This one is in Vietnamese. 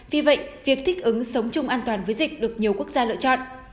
vì vậy việc thích ứng sống chung an toàn với dịch được nhiều quốc gia lựa chọn